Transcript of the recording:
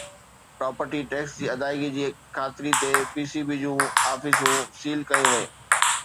property tax جي ادائگي جي خاطري تي پي سي بي جون آفيسون سيل ڪيون ويون